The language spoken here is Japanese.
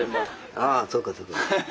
ああそうかそうか。